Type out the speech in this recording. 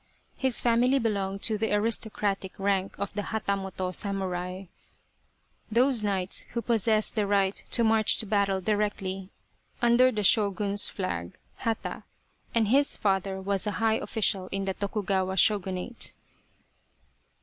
His family belonged to the aristocratic rank of the hatamoto samurai, those knights who possessed the right to march to battle directly under the Shogun's flag (hata), and his father was a high official in the Tokugawa Shogunate.